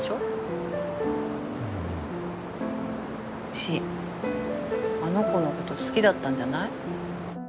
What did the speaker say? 慎あの子のこと好きだったんじゃない？